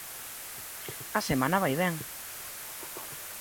A semana vai ben.